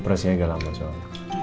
operasinya agak lama soalnya